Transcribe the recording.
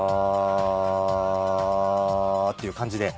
アっていう感じで。